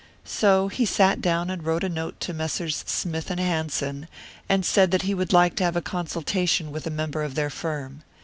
So he sat down and wrote a note to Messrs. Smith and Hanson, and said that he would like to have a consultation with a member of their firm.